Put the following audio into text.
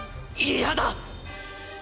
嫌だ！